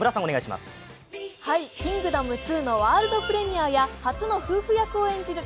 「キングダム２」のワールドプレミアや初の夫婦役を演じる